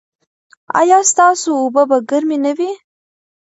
ایا ستاسو اوبه به ګرمې نه وي؟